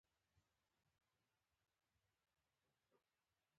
چې د کار او زیار په ځواک خپل شتون وساتي.